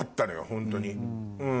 ホントに。